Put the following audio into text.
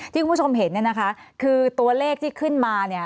คุณผู้ชมเห็นเนี่ยนะคะคือตัวเลขที่ขึ้นมาเนี่ย